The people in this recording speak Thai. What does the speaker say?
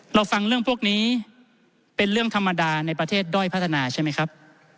เราฟังเรื่องพวกนี้เป็นเรื่องธรรมดาในประเทศด้อยพัฒนาใช่ไหมครับ